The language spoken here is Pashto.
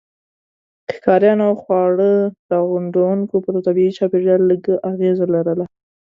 ښکاریانو او خواړه راغونډوونکو پر طبيعي چاپیریال لږ اغېزه لرله.